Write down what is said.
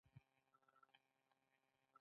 هغه د دریاب په بڼه د مینې سمبول جوړ کړ.